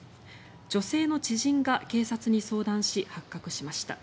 女性の知人が警察に相談し発覚しました。